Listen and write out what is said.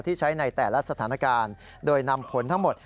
ที่ใช้ในแต่ละสถานการณ์โดยนำผลทั้งหมด